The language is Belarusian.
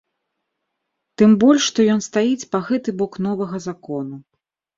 Тым больш што ён стаіць па гэты бок новага закону.